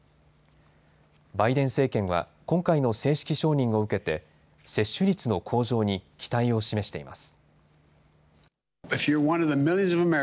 バイデン政権は今回の正式承認を受けて接種率の向上に期待を示しています。